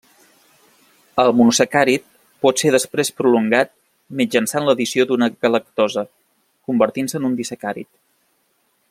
El monosacàrid pot ser després prolongat, mitjançant l'addició d'una galactosa, convertint-se en un disacàrid.